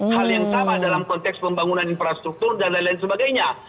hal yang sama dalam konteks pembangunan infrastruktur dan lain lain sebagainya